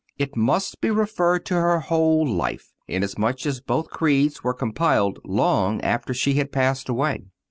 It must be referred to her whole life, inasmuch as both creeds were compiled long after she had passed away.